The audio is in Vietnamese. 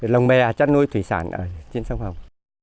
lồng mè chất nuôi thủy sản trên sông hồng